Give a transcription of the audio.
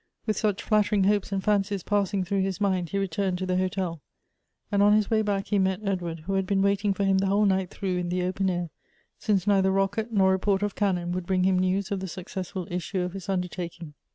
With such flattering hopes and fancies passing through his mind, he returned to the hotel, and on his way b.aek he met Edward, who had been waiting for him the whole night through in the open air, since neither rocket nor report of cannon would bring him news of the successful issue of his undertaking.